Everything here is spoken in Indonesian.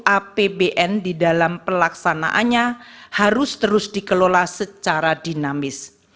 apbn di dalam pelaksanaannya harus terus dikelola secara dinamis